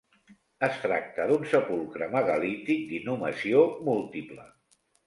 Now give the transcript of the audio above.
Es tracta d'un sepulcre megalític d'inhumació múltiple.